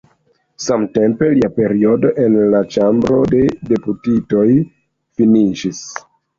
Samtempe, lia periodo en la Ĉambro de Deputitoj finiĝis.